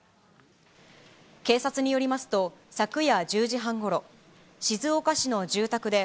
警察によりますと、昨夜１０時半ごろ、静岡市の住宅で、